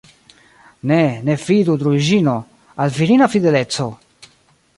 Ne, ne fidu, Druĵino, al virina fideleco!